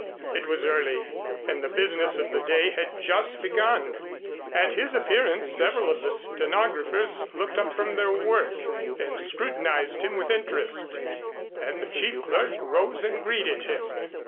It was early, and the business of the day had just begun. At his appearance several of the stenographers looked up from their work and scrutinized him with interest, and the chief clerk rose and greeted him.